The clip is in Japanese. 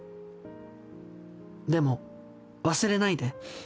「でも忘れないで。